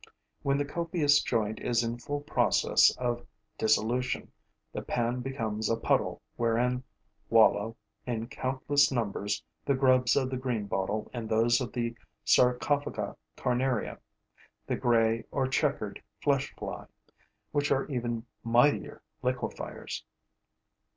When the copious joint is in full process of dissolution, the pan becomes a puddle wherein wallow, in countless numbers, the grubs of the greenbottle and those of Sarcophaga carnaria, the Grey or checkered flesh fly, which are even mightier liquefiers.